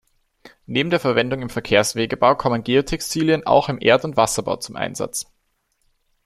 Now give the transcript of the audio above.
Neben der Verwendung im Verkehrswegebau kommen Geotextilien auch im Erd- und Wasserbau zum Einsatz.